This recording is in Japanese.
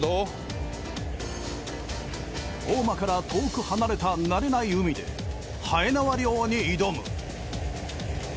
大間から遠く離れた慣れない海ではえ縄漁に挑む。